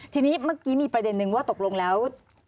ทีนี้เมื่อกี้มีประเด็นนึงว่าตกลงแล้ว